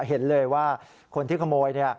เห็นเลยว่าคนที่ขโมยเนี่ย